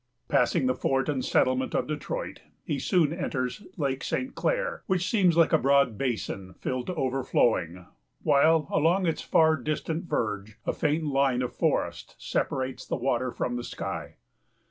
Passing the fort and settlement of Detroit, he soon enters Lake St. Clair, which seems like a broad basin filled to overflowing, while, along its far distant verge, a faint line of forest separates the water from the sky.